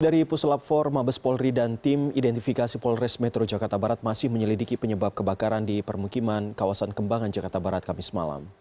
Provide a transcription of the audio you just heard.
dari pusulap empat mabes polri dan tim identifikasi polres metro jakarta barat masih menyelidiki penyebab kebakaran di permukiman kawasan kembangan jakarta barat kamis malam